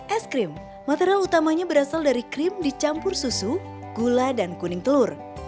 es krim material utamanya berasal dari krim dicampur susu gula dan kuning telur